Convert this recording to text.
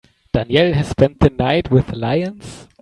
Danielle has spent the night with lions.